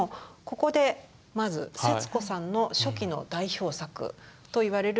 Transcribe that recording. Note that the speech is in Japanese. ここでまず節子さんの初期の代表作といわれる「自画像」。